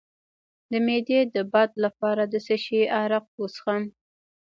د معدې د باد لپاره د څه شي عرق وڅښم؟